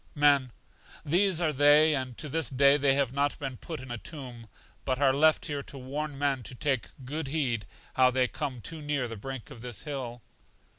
Men. These are they, and to this day they have not been put in a tomb, but are left here to warn men to take good heed how they come too near the brink of this hill.